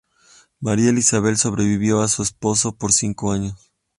Marie Isabel sobrevivió a su esposo por cinco años.